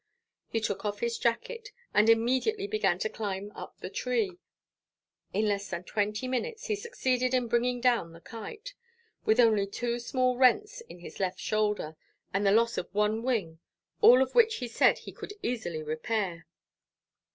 He took off his jacket, and immediately began to climb up the tree. In less than twenty minutes he succeeded in bringing down the Kite, with only two small rents in its left shoulder, and the loss of one wing, all of which he said he could easily repair.